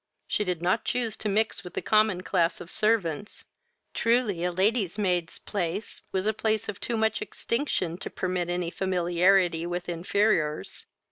She did not choose to mix with the common class of servants, truly a lady's maid's place was a place of too much extinction to permit any familiarity with infeerors.